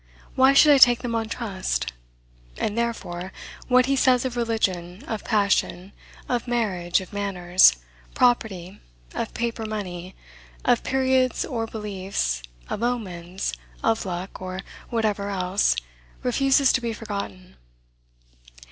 Why should I take them on trust? And, therefore, what he says of religion, of passion, of marriage, of manners, property, of paper money, of periods or beliefs, of omens, of luck, or whatever else, refuses to be forgotten.